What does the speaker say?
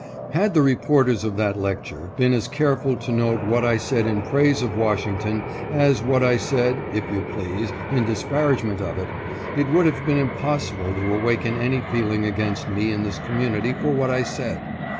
" Had the reporters of that lecture been as careful to note what I said in praise of Washington as what I said, if you please, in dis THE LECTURE CRITICISED. 515 paragement of it, it would have been impossible to awaken any feel ing against me in this community for what I said.